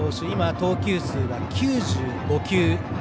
今、投球数が９５球。